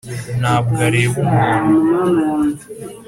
nta bwo areba umuntu,